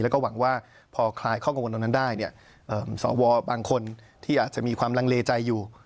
แล้วก็หวังว่าพอคลายข้อกังวลตรงนั้นได้เนี่ยสวบางคนที่อาจจะมีความลังเลใจอยู่